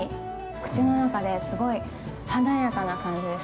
口の中ですごい華やかな感じです。